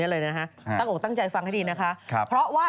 โลกสวยสวยเนอะ